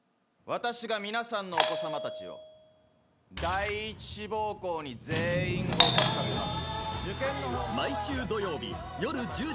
私が皆さんのお子様たちを第一志望校に全員合格させます。